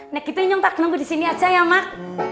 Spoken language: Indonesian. nek kita nyontak nunggu disini aja ya mak